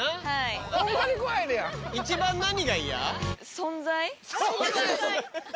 存在？